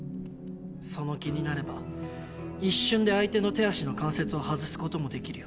その気になれば一瞬で相手の手足の関節を外すこともできるよ。